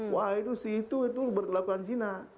wah itu sih itu berkelakuan zina